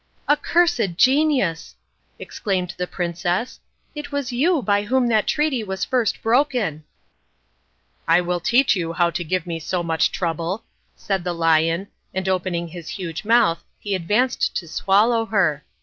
"Accursed genius!" exclaimed the princess, "it is you by whom that treaty was first broken." "I will teach you how to give me so much trouble," said the lion, and opening his huge mouth he advanced to swallow her.